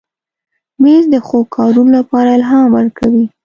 مېز د ښو کارونو لپاره الهام ورکوي.